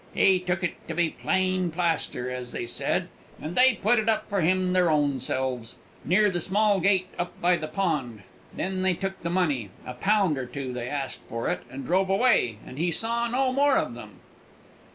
He took it to be plain plaster, as they said, and they put it up for him their own selves, near the small gate up by the road; then they took the money a pound or two they asked for it and drove away, and he saw no more of them."